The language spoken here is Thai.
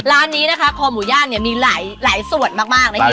ร้านนี้นะคะคอหมูย่างเนี่ยมีหลายส่วนมากนะคะ